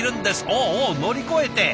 おお乗り越えて。